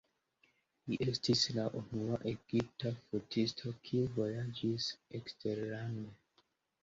Li estis la unua egipta fotisto, kiu vojaĝis eksterlande.